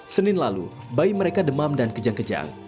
senin lalu bayi mereka demam dan kejang kejang